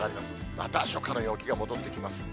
また初夏の陽気が戻ってきます。